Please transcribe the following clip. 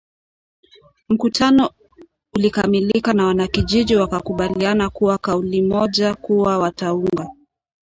Mkutano ulikamilika na wanakijiji wakakubaliana kwa kauli moja kuwa wataunga